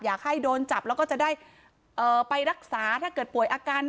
อยากให้โดนจับแล้วก็จะได้ไปรักษาถ้าเกิดป่วยอาการ